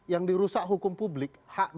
yang dirusak hukum publik hak